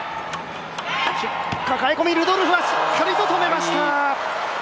抱え込みルドルフはしっかりと止めました。